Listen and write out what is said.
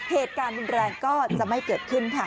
เหตุการณ์รุนแรงก็จะไม่เกิดขึ้นค่ะ